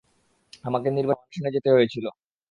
আমাকে নির্বাসনে যেতে হয়েছিল।